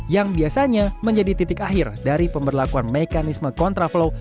yang biasanya menjadi titik akhir dari pemberlakuan mekanisme kontraflow